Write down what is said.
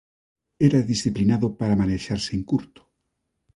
Era disciplinado para manexarse en curto: